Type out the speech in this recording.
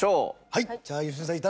はい。